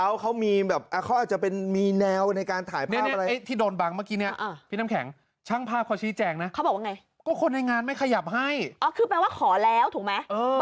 วิบราวเขาต้องการจะทำแบบนี้หรือเปล่า